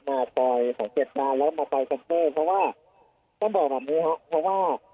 มาปล่อยสองเจ็ดนาแล้วก็มาปล่อยเพราะว่าต้องบอกแบบนี้เพราะว่า